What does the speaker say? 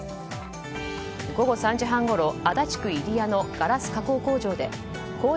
午後３時半ごろ足立区入谷のガラス加工